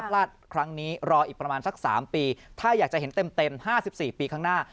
ลาดครั้งนี้รออีกประมาณสัก๓ปีถ้าอยากจะเห็นเต็ม๕๔ปีข้างหน้า